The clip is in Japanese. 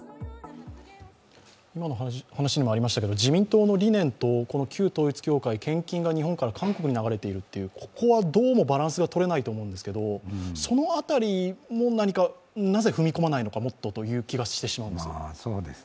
今の話にもありましたけど、自民党の理念とこの旧統一教会、献金が日本から韓国に流れている、ここはどうもバランスが取れないと思うんですけどその辺りの何か、なぜもっと踏み込まないのかという気がしてしまうんです。